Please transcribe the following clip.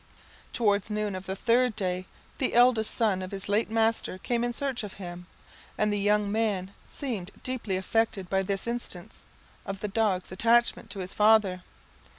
Towards noon of the third day, the eldest son of his late master came in search of him; and the young man seemed deeply affected by this instance of the dog's attachment to his father.